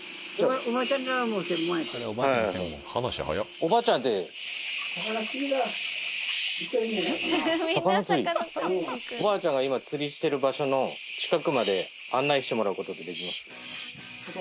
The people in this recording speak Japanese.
おばあちゃんが今釣りしてる場所の近くまで案内してもらうことってできます？